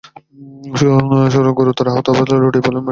গুরুতর আহত হয়ে লুটিয়ে পড়লেন মাটিতে।